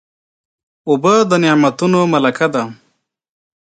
اوبه د نعمتونو ملکه ده.